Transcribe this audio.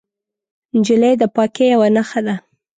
نجلۍ د پاکۍ یوه نښه ده.